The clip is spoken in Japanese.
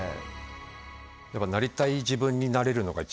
やっぱなりたい自分になれるのが一番いいかもね。